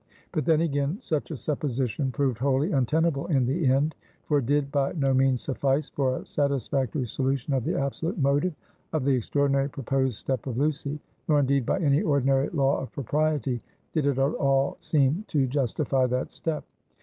But then again such a supposition proved wholly untenable in the end; for it did by no means suffice for a satisfactory solution of the absolute motive of the extraordinary proposed step of Lucy; nor indeed by any ordinary law of propriety, did it at all seem to justify that step.